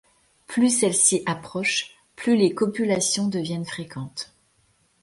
Plus celle-ci approche, plus les copulations deviennent fréquentes.